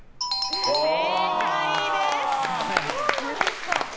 正解です。